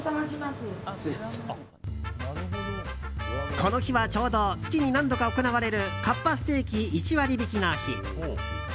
この日はちょうど月に何度か行われるかっぱステーキ１割引きの日。